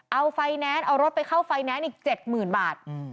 เอารถไปเข้าไฟแนสอีก๗๐๐๐๐บาท